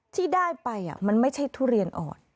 ที่ได้ไปมันไม่ใช่ทุเรียนอ่อน